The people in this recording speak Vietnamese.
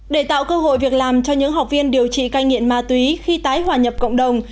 để tạo cơ hội việc làm cho những học viên điều trị cai nghiện ma túy khi tái hòa nhập cộng đồng